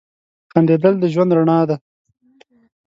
• خندېدل د ژوند رڼا ده.